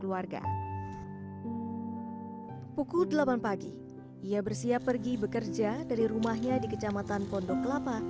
keluarga pukul delapan pagi ia bersiap pergi bekerja dari rumahnya di kecamatan pondok kelapa